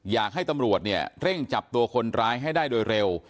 อยากให้ตำรวจเนี่ยเร่งจับตัวคนร้ายให้ได้โดยเร็ว